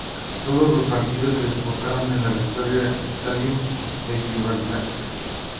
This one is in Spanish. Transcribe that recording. Todos los partidos se disputaron en el Victoria Stadium de Gibraltar.